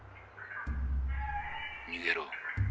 ☎逃げろ。